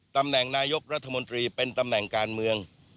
ตำแหน่งนายกรัฐมนตรีเป็นตำแหน่งการเมือง